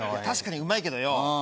確かにうまいけどよ。